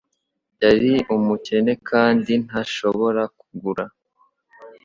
Yari umukene kandi ntashobora kugura